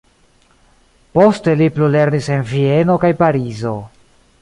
Poste li plulernis en Vieno kaj Parizo.